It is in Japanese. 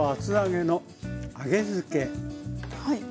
はい。